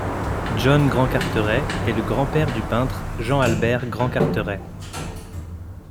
John Grand-Carteret est le grand-père du peintre Jean Albert Grand-Carteret.